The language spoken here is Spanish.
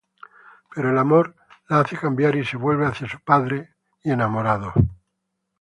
Pero el amor la hace cambiar y se vuelve hacia su padre y enamorados.